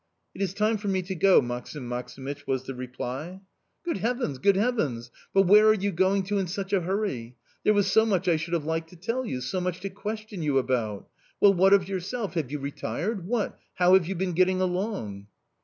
"It is time for me to go, Maksim Maksimych," was the reply. "Good heavens, good heavens! But where are you going to in such a hurry? There was so much I should have liked to tell you! So much to question you about!... Well, what of yourself? Have you retired?... What?... How have you been getting along?"